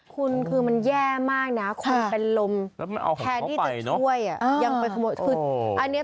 คุณคือมันแย่มากนะคนเป็นลมแทนที่จะช่วยยังไปโขมดออก